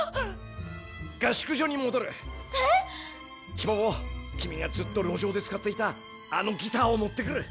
ヒポポ君がずっと路上で使っていたあのギターを持ってくる！